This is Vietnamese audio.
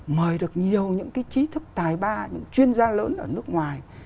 mời được nhiều những cái trí thức tài ba những chuyên gia lớn ở nước ngoài